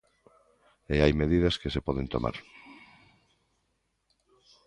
E hai medidas que se poden tomar.